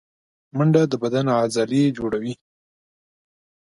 منډه د بدن عضلې جوړوي